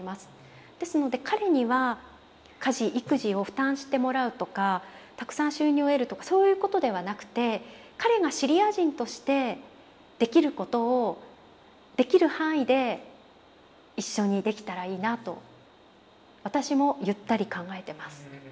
ですので彼には家事育児を負担してもらうとかたくさん収入を得るとかそういうことではなくて彼がシリア人としてできることをできる範囲で一緒にできたらいいなと私もゆったり考えてます。